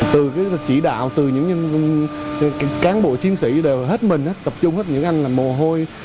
từ cái chỉ đạo từ những cán bộ chiến sĩ đều hết mình hết tập trung hết những anh làm mồ hôi